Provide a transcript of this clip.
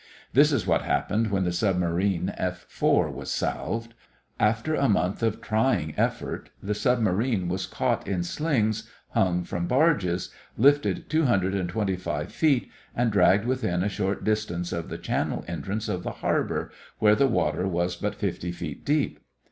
This is what happened when the submarine F 4 was salved. After a month of trying effort the submarine was caught in slings hung from barges, lifted two hundred and twenty five feet, and dragged within a short distance of the channel entrance of the harbor, where the water was but fifty feet deep.